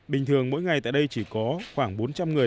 bình thường mỗi ngày tại đây chỉ có khoảng bốn trăm linh người